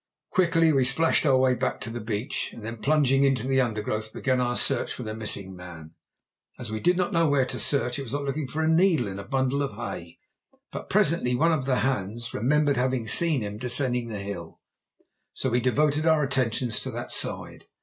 Quickly we splashed our way back to the beach, and then, plunging into the undergrowth, began our search for the missing man. As we did not know where to search, it was like looking for a needle in a bundle of hay, but presently one of the hands remembered having seen him descending the hill, so we devoted our attentions to that side.